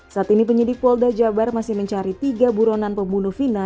saat ini penyidik polda jabar masih mencari tiga buronan pembunuh vina